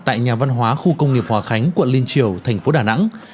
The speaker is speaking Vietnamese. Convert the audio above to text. tại nhà văn hóa khu công nghiệp hòa khánh quận liên triều thành phố đà nẵng